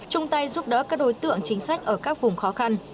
chung tay giúp đỡ các đối tượng chính sách ở các vùng khó khăn